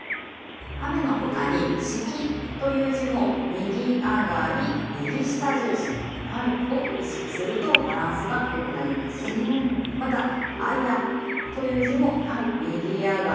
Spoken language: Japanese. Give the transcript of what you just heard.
雨の他に「式」という字も「右上がり右下重心」を意識するとバランスが良くなりますしまた「間」という字も右上がり。